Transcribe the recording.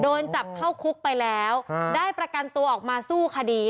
โดนจับเข้าคุกไปแล้วได้ประกันตัวออกมาสู้คดี